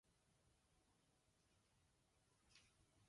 It was later used as a poultry farm.